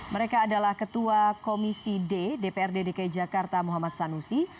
mereka adalah ketua komisi d dprd dki jakarta muhammad sanusi